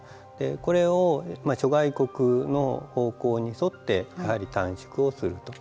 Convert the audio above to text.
これを諸外国の方向に沿ってやはり短縮をすると。